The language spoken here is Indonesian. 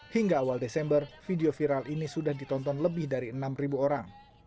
hingga awal desember video viral ini sudah ditonton lebih dari enam orang